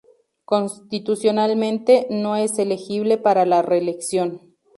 Constitucionalmente, no es elegible para la reelección.